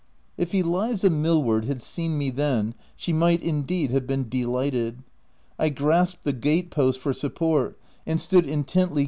If Eliza Millward had seen me then, she might indeed have been delighted. I grasped the gate post for support, and stood intently OF WILDFELL HALL.